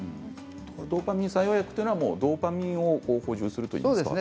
ドーパミン作用薬というのはドーパミン補充するといいますか。